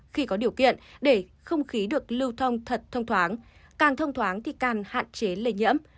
khi có điều kiện để không khí được lưu thông thật thông thoáng càng thông thoáng thì càng hạn chế lây nhiễm